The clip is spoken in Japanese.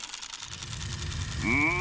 うん。